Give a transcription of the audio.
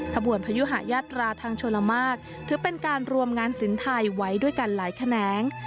ขบวนพยุหายาตราทางชลมากถือเป็นการรวมงานสินไทยไว้ด้วยกันหลายแขนง